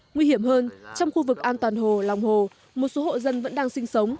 nguy hiểm hơn trong khu vực an toàn hồ lòng hồ một số hộ dân vẫn đang sinh sống